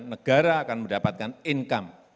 negara akan mendapatkan income